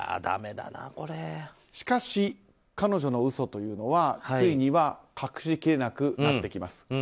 しかし彼女の嘘というのはついには隠しきれなくなってきます。